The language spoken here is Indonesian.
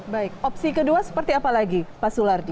baik opsi kedua seperti apa lagi pak sulardi